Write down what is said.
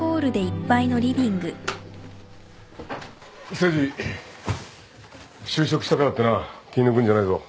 誠治就職したからってな気抜くんじゃないぞ。